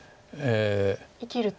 生きると。